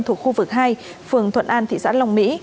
thuộc khu vực hai phường thuận an tp huế